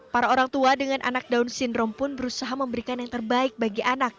para orang tua dengan anak down syndrome pun berusaha memberikan yang terbaik bagi anak